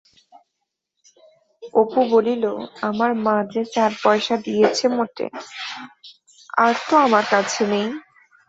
অপু বলিল, আমার মা যে চার পয়সা দিয়েছে মোটে, আর তো আমার কাছে নেই?